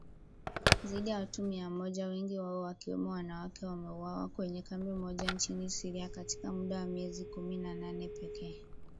Zaidi ya watu mia moja wengi wao wakiwemo wanawake wameuawa kwenye kambi moja nchini Syria katika muda wa miezi kumi na nane pekee.